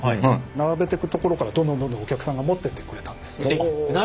並べてくところからどんどんどんどんお客さんが持ってってくれたんです。